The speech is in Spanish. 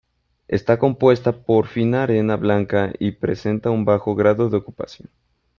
Está compuesta por fina arena blanca y presenta un bajo grado de ocupación.